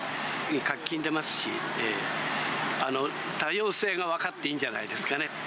活気出ますし、多様性が分かっていいんじゃないですかね。